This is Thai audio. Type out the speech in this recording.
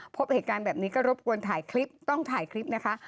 พบเหตุการณ์แบบนี้ก็รบกวนถ่ายคลิปต้องถ่ายคลิปนะคะ